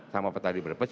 sama petani berdepes